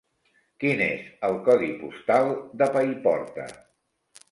Quin és el codi postal de Paiporta?